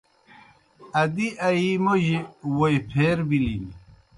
ادِی آیِی موْجیْ ووئی پھیر بِلِن۔